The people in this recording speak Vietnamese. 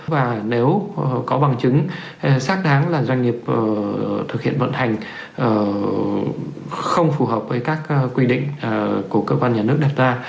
và nếu có bằng chứng xác đáng là doanh nghiệp thực hiện vận hành không phù hợp với các quy định của cơ quan nhà nước đặt ra